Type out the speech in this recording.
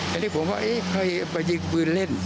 แต่นี่ผมว่าเฮ้ยใครไปยิงพื้นเล่น